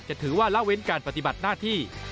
จะถือว่าละเว้นการปฏิบัติหน้าที่